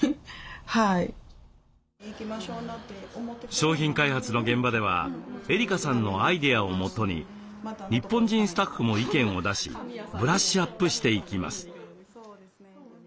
商品開発の現場ではエリカさんのアイデアをもとに日本人スタッフも意見を出しブラッシュアップしていきます。